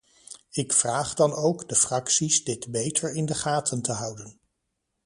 Ik vraag dan ook de fracties dit beter in de gaten te houden.